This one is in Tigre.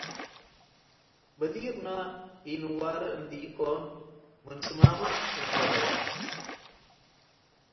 በዲርነ ይእንዋሬ እንድ-ኢኮን ምን ሰማመ እንካሬ።